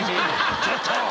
ちょっと！